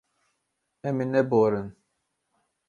Em ê neborin.